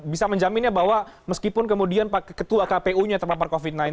bisa menjaminnya bahwa meskipun kemudian pak ketua kpu nya terpapar covid sembilan belas